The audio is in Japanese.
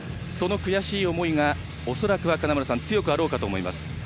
その悔しい思いが恐らくは金村さん強くあろうかと思います。